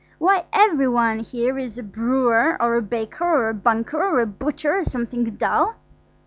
Why, every one here is a brewer, or a baker, or a banker, or a butcher, or something dull.